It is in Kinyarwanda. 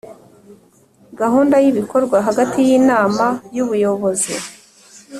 gahunda y ibikorwa hagati y Inama y Ubuyobozi